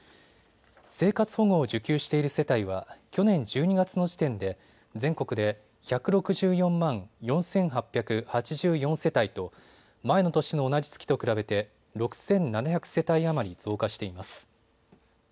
生活保護を受給している世帯は去年１２月の時点で全国で１６４万４８８４世帯と前の年の同じ月と比べて６７００世帯余り増加しています。